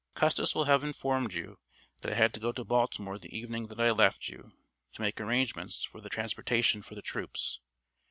"Custis will have informed you that I had to go to Baltimore the evening that I left you, to make arrangements for the transportation for the troops.